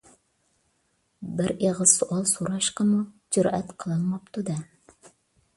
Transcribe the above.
بىر ئېغىز سوئال سوراشقىمۇ جۈرئەت قىلالماپتۇ-دە.